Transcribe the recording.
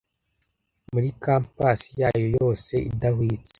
Muri compasse yayo yose idahwitse